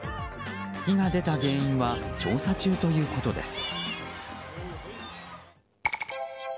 火が出た原因は調査中ということです。